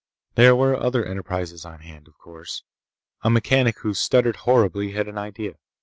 There were other enterprises on hand, of course. A mechanic who stuttered horribly had an idea.